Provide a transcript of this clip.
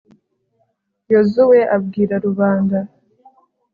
yozuwe abwira rubanda